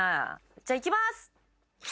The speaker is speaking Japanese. じゃあいきます！